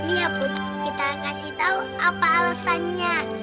iya put kita kasih tahu apa alasannya